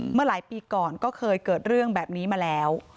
เมื่อหลายปีก่อนก็เคยเกิดเรื่องแบบนี้มาแล้ว